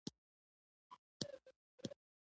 افغانستان د تېرو شپږو اوو فلاني کالو په څېر پاتې دی.